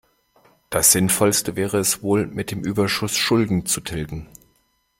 Das Sinnvollste wäre es wohl, mit dem Überschuss Schulden zu tilgen.